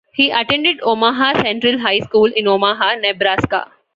He attended Omaha Central High School in Omaha, Nebraska.